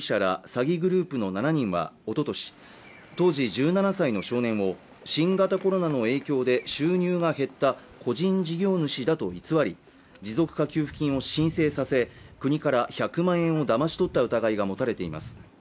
詐欺グループの７人はおととし当時１７歳の少年も新型コロナの影響で収入が減った個人事業主だと偽り持続化給付金を申請させ国から１００万円をだまし取った疑いが持たれています